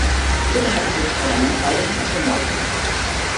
Bitte halten Sie das Parlament weiterhin auf dem Laufenden.